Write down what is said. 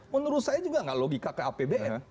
menurut saya juga nggak logika ke apbn